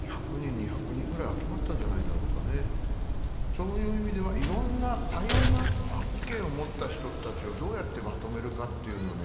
そういう意味ではいろんな多様な意見を持った人たちをどうやってまとめるかっていうのをね